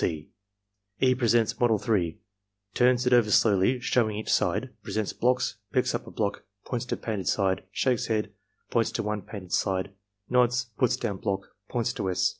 (c) E. presents model 3, turns it over slowly, showing each side, presents blocks, picks up a block, points to painted side, shakes head, points to unpainted side, nods, puts down block, points to S.